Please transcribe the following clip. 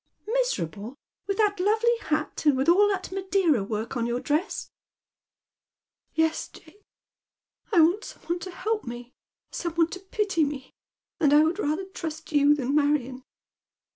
" Miserable, with that lovely bat, and with all that Madeira work on your dress ?"" Yes, Jane. I want some one to help me, some one to pity me, and I would rather trust you than Marion."